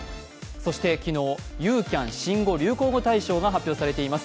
そして昨日、ユーキャン新語・流行語大賞が発表されています。